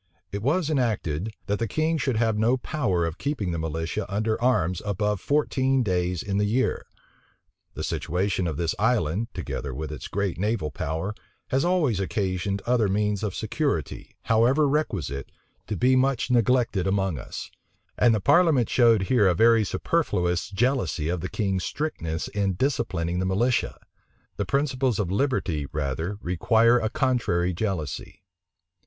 It was enacted, that the king should have no power of keeping the militia under arms above fourteen days in the year. The situation of this island, together with its great naval power, has always occasioned other means of security, however requisite, to be much neglected among us: and the parliament showed here a very superfluous jealousy of the king's strictness in disciplining the militia. The principles of liberty rather require a contrary jealousy.